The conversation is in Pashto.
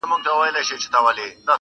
خرخو ځکه پر زمري باندي ډېر ګران وو!.